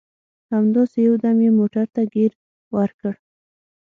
همداسې یو دم یې موټر ته ګیر ورکړ.